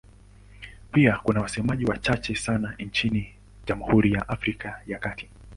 Pia kuna wasemaji wachache sana nchini Jamhuri ya Afrika ya Kati.